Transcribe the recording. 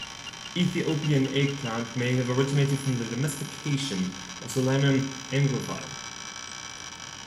Ethiopian eggplant may have originated from the domestication of "Solanum anguivi".